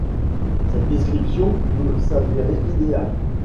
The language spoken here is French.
Cette description peut s'avérer idéale.